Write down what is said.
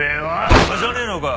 馬鹿じゃねえのか？